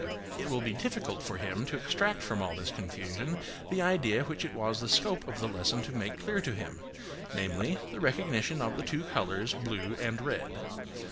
It will be difficult for him to extract from all this confusion the idea which it was the scope of the lesson to make clear to him; namely, the recognition of the two colours, blue and red.